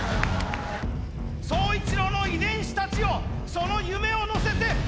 宗一郎の遺伝子たちよその夢を乗せて。